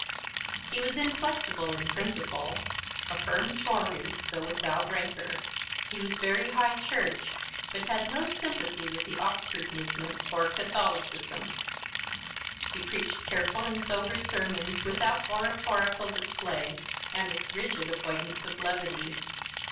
He was inflexible in principle, a firm Tory, though without rancor. He was very High Church, but had no sympathy with the Oxford movement or Catholicism. He preached careful and sober sermons, without oratorical display and with rigid avoidance of levity.